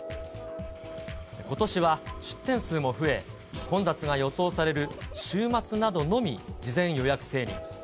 ことしは出店数も増え、混雑が予想される週末などのみ事前予約制に。